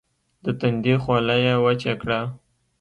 د تندي خوله يې وچه کړه.